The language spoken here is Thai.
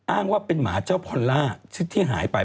อ้างว่าเป็นหมาเจ้าพอลล่าชุดที่หายไป